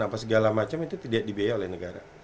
apa segala macam itu tidak dibiaya oleh negara